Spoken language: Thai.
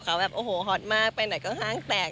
เขาแบบโอ้โหฮอตมากไปไหนก็ห้างแตก